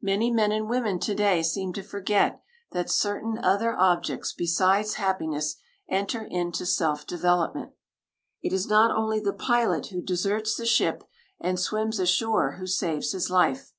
Many men and women to day seem to forget that certain other objects besides happiness enter into self development. It is not only the pilot who deserts the ship and swims ashore who saves his life.